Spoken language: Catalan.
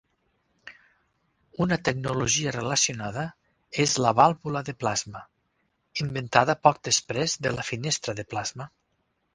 Una tecnologia relacionada és la vàlvula de plasma, inventada poc després de la finestra de plasma.